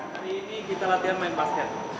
hari ini kita latihan main basket